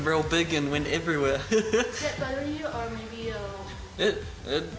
apakah itu membuat anda lebih baik atau mungkin